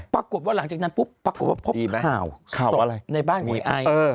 ปรากฏว่าหลังจากนั้นปราบพบข่าวสกในบ้านวันไอ้